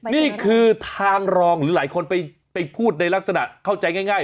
นี่คือทางรองหรือหลายคนไปพูดในลักษณะเข้าใจง่าย